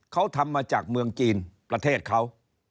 เขาทำมาจากเมืองจีนประเทศเขา